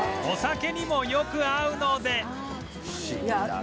お酒にもよく合うので